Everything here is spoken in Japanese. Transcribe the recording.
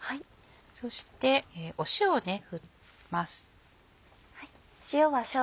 そして塩を振ります。